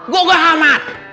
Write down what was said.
gue gak hamat